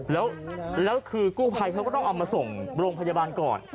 แล้วคือกู้ภัยเขาก็ต้องเอามาส่งโรงพยาบาลก่อน